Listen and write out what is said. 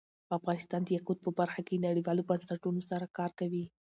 افغانستان د یاقوت په برخه کې نړیوالو بنسټونو سره کار کوي.